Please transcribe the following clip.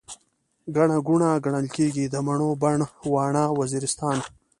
ګڼه ګوڼه، ګڼل کيږي، د مڼو بڼ، واڼه وزيرستان